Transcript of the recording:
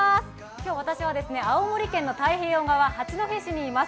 今日私は青森県の太平洋側、八戸市にいます。